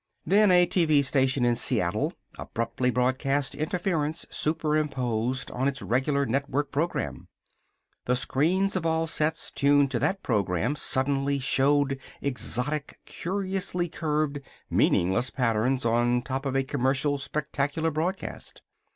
Then a TV station in Seattle abruptly broadcast interference superimposed on its regular network program. The screens of all sets tuned to that program suddenly showed exotic, curiously curved, meaningless patterns on top of a commercial spectacular broadcast.